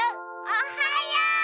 おはよう！